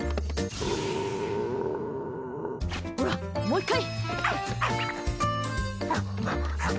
ほら、もう１回！